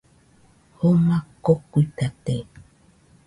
Joma kokuitate